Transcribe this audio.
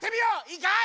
いいかい？